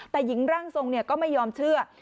แต่หญิงร่างทรงก็ไม่ยอมเชื่อ